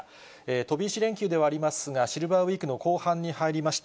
飛び石連休ではありますが、シルバーウイークの後半に入りました